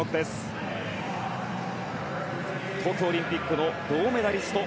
東京オリンピックの銅メダリスト